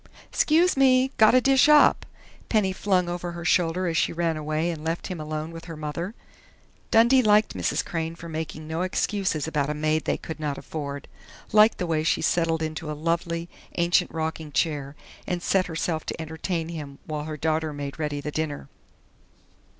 "'Scuse me! Gotta dish up!" Penny flung over her shoulder as she ran away and left him alone with her mother. Dundee liked Mrs. Crain for making no excuses about a maid they could not afford, liked the way she settled into a lovely, ancient rocking chair and set herself to entertain him while her daughter made ready the dinner.